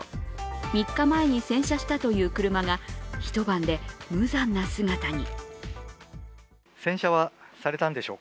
３日前に洗車したという車が一晩で無残な姿に。